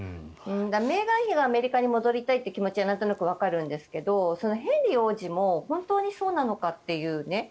メーガン妃がアメリカに行きたいという気持ちはなんとなくわかるんですがヘンリー王子も本当にそうなのかというね。